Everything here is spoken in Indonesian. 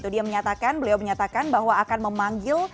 dia menyatakan beliau menyatakan bahwa akan memanggil